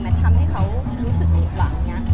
แม็กซ์ก็คือหนักที่สุดในชีวิตเลยจริง